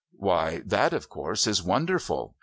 "Why, that, of course, is wonderful!"